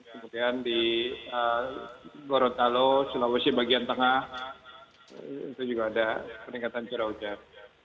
kemudian di gorontalo sulawesi bagian tengah itu juga ada peningkatan curah hujan